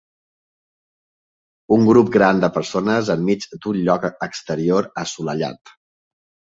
Un grup gran de persones enmig d'un lloc exterior assolellat.